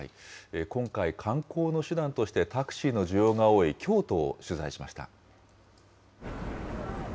今回、観光の手段としてタクシーの需要が多い京都を取材しました。